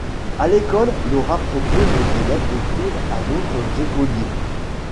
À l'école, Laura propose aux élèves d'écrire à d'autres écoliers.